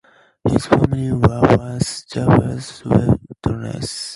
His family were once Jehovah's Witnesses.